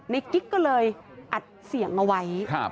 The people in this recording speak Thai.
กิ๊กก็เลยอัดเสียงเอาไว้